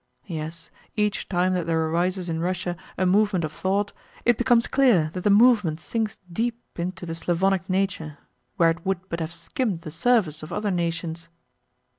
Yes, each time that there arises in Russia a movement of thought, it becomes clear that the movement sinks deep into the Slavonic nature where it would but have skimmed the surface of other nations.